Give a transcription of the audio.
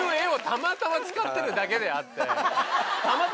たまたま疲れてるだけであって。